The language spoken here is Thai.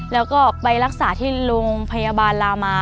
แล้วก็ไปรักษาที่โรงพยาบาลลามา